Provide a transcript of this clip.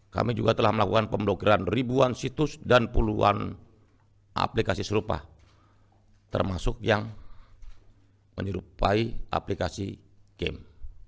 kami juga telah melakukan pemblokiran ribuan situs dan puluhan aplikasi serupa termasuk yang menyerupai aplikasi game